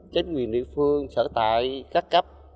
chính quyền địa phương sở tại các cấp